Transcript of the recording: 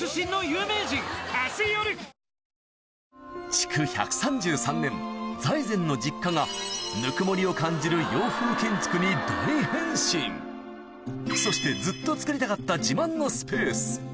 築１３３年財前の実家がぬくもりを感じる洋風建築に大変身そしてずっと作りたかったええ。